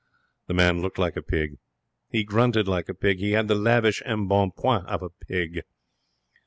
The man looked like a pig. He grunted like a pig. He had the lavish embonpoint of a pig.